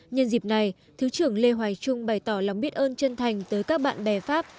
nhân dịp này thứ trưởng lê hoài trung bày tỏ lòng biết ơn chân thành tới các bạn bè pháp